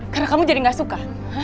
karena kamu jadi gak suka